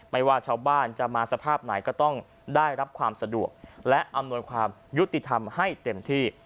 ไม่ว่าชาวบ้านจะมาสภาพไหนก็ต้องได้รับความสะดวกและอำนวยความยุติธรรมให้เต็มที่